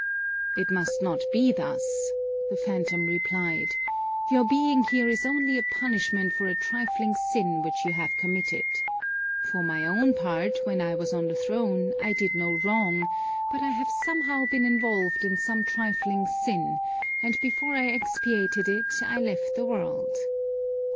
"It must not be thus," the phantom replied; "your being here is only a punishment for a trifling sin which you have committed. For my own part, when I was on the throne, I did no wrong, but I have somehow been involved in some trifling sin, and before I expiated it I left the world.